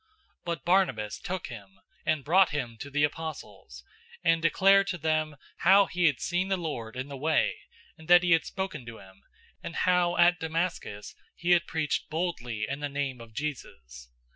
009:027 But Barnabas took him, and brought him to the apostles, and declared to them how he had seen the Lord in the way, and that he had spoken to him, and how at Damascus he had preached boldly in the name of Jesus.